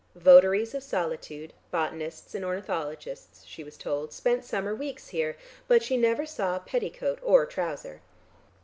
Votaries of solitude, botanists and ornithologists she was told, spent summer weeks here, but she never saw petticoat or trouser.